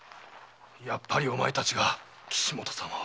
やっぱりお前たちが岸本様を。